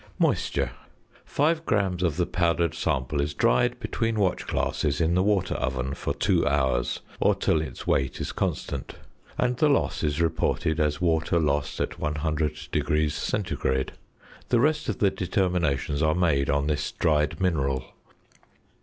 ~Moisture.~ Five grams of the powdered sample is dried between watch glasses in the water oven for two hours, or till its weight is constant; and the loss is reported as water lost at 100° C. The rest of the determinations are made on this dried mineral.